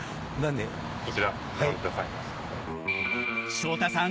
昇太さん